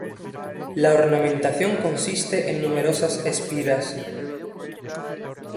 La ornamentación consiste en numerosas espiras.